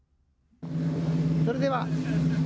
それでは。